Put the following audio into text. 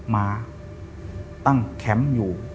มาตั้งแคมป์อยู่